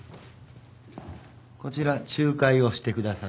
こちら仲介をしてくださる。